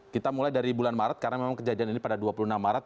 kita mulai dari bulan maret karena memang kejadian ini pada dua puluh enam maret